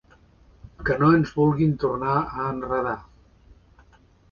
Que no ens vulguin tornar a enredar.